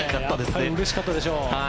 うれしかったでしょう。